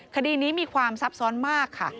คดีนี้มีความซับซ้อนมากค่ะ